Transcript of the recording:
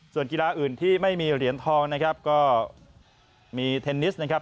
ส่วนกีฬาอื่นที่ไม่มีเหรียญทองนะครับก็มีเทนนิสนะครับ